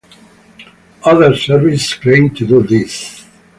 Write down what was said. Other services claim to do this